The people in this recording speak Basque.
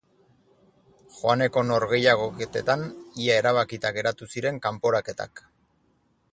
Joaneko norgehiagoketetan ia erabakita geratu ziren kanporaketak.